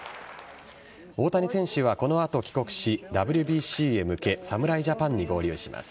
大谷選手はこの後帰国しＷＢＣへ向け侍ジャパンに合流します。